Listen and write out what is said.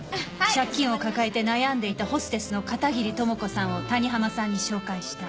借金を抱えて悩んでいたホステスの片桐朋子さんを谷浜さんに紹介した。